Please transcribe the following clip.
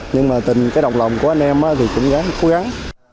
nhưng mà tình cái độc lòng của anh em thì cũng gắn cố gắng